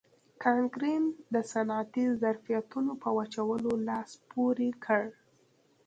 کانکرین د صنعتي ظرفیتونو په وچولو لاس پورې کړ.